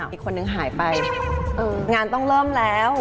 อีกคนนึงหายไปงานต้องเริ่มแล้ว